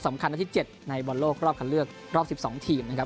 นัดสำคัญนัดที่เจ็ดในบอลโลคเข้าเลือกลอบสิบสองทีมนะครับ